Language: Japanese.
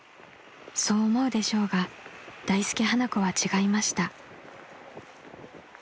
［そう思うでしょうが大助・花子は違いました］